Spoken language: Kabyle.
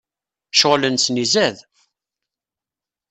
Ccɣel-nsen izad!